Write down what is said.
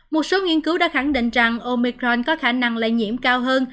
một số nghiên cứu đã khẳng định rằng omicron có khả năng lây nhiễm cao hơn